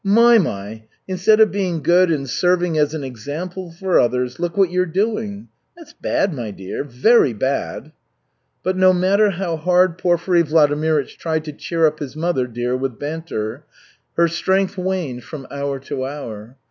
My, my! Instead of being good and serving as an example for others, look what you're doing. That's bad, my dear, very bad." But no matter how hard Porfiry Vladimirych tried to cheer up his mother dear with banter, her strength waned from hour to hour.